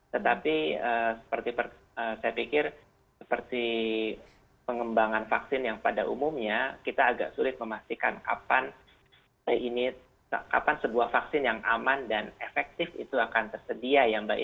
tetapi saya pikir seperti pengembangan vaksin yang pada umumnya kita agak sulit memastikan kapan sebuah vaksin yang aman dan efektif itu akan tersedia ya mbak